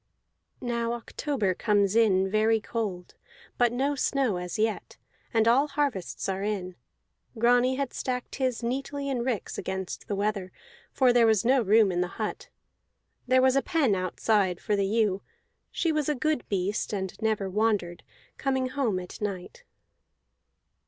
Now October comes in very cold, but no snow as yet; and all harvests are in. Grani had stacked his neatly in ricks against the weather, for there was no room in the hut. There was a pen outside for the ewe; she was a good beast and never wandered, coming home at night.